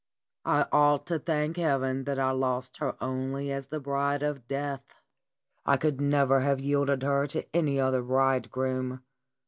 I ought to thank Heaven that I lose her only as the bride of Death. I could never have yielded her to any other bridegroom.